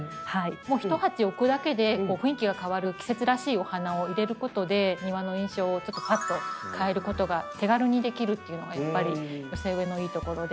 一鉢置くだけで雰囲気が変わる季節らしいお花を入れることで庭の印象をぱっと変えることが手軽にできるっていうのがやっぱり寄せ植えのいいところで。